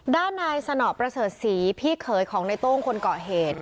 ด้านนายสนอประเสริฐศรีพี่เขยของในโต้งคนเกาะเหตุ